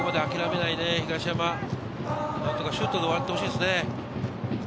なんとかシュートで終わってほしいですね。